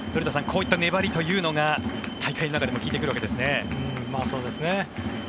こういった粘りというのが大会の中でも効いてくるわけですね。